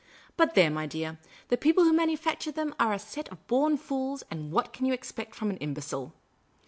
But, there, my dear ; the people who manufacture them are a set of born fools, and what can you expect from an imbecile